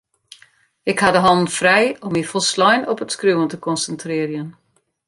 Ik ha de hannen frij om my folslein op it skriuwen te konsintrearjen.